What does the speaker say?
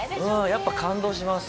やっぱ感動します。